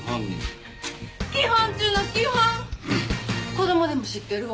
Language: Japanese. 子供でも知ってるわ。